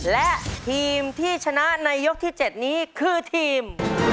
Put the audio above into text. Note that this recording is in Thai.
และทีมที่ชนะในยกที่๗นี้คือทีม